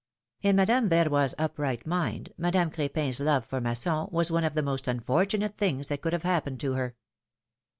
In Madame Verroy's upright mind, Madame Crepin's love for Masson was one of the most unfortunate things that could have happened to her.